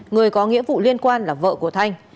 người có nghĩa vụ liên quan là vợ của thanh